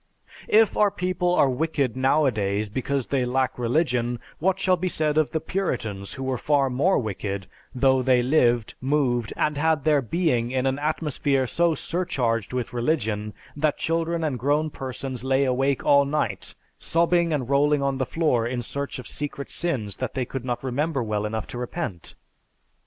"If our people are wicked nowadays because they lack religion, what shall be said of the Puritans who were far more wicked, though they lived, moved, and had their being in an atmosphere so surcharged with religion that children and grown persons lay awake all night, sobbing and rolling on the floor in search of secret sins that they could not remember well enough to repent?